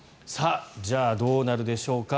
じゃあ、どうなるでしょうか。